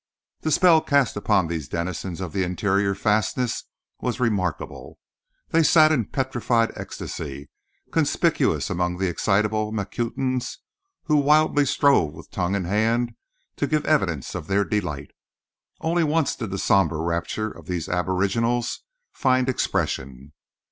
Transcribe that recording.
The spell cast upon these denizens of the interior fastnesses was remarkable. They sat in petrified ecstasy, conspicuous among the excitable Macutians, who wildly strove with tongue and hand to give evidence of their delight. Only once did the sombre rapture of these aboriginals find expression.